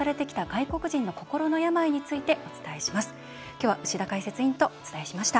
今日は牛田解説委員とお伝えしました。